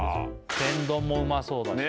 天丼もうまそうだし